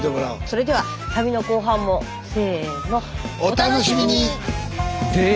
それでは旅の後半もせの。